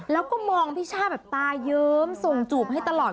แล้วก็มองพี่ช่าแบบตาเยิ้มส่งจูบให้ตลอด